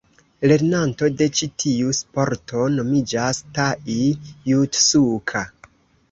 Lernanto de ĉi tiu sporto nomiĝas Tai-Jutsuka.